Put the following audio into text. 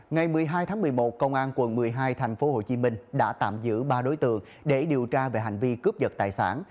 ngày một mươi hai tháng một mươi một công an quận một mươi hai tp hcm đã tạm giữ ba đối tượng để điều tra về hành vi cướp giật tài sản